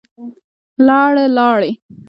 لاړه, لاړې